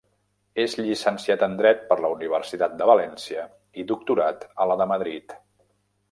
És llicenciat en dret per la Universitat de València i doctorat a la de Madrid.